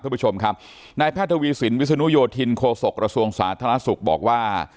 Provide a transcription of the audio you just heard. คุณผู้ชมครับนายแพทย์ทวีสินวิศนุโยธินโคศกระทรวงสาธารณสุขบอกว่า